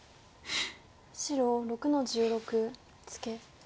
白６の十六ツケ。